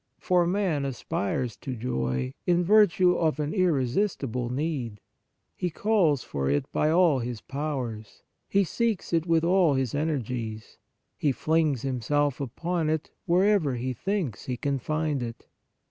For man aspires to joy in virtue of an irresistible need: he calls for it by all his powers, he seeks it with all his energies, he flings himself upon it wherever he thinks he can find it.